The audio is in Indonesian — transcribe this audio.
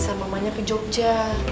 sama mamanya ke jogja